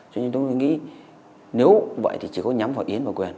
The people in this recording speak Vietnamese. cho nên tôi nghĩ nếu vậy thì chỉ có nhắm vào yến thôi